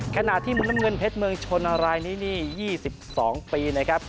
ขณะที่มุมน้ำเงินเพชรเมืองชนอะไรนี้นี่๒๒ปีนะครับ